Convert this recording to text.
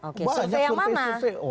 oke survei yang mana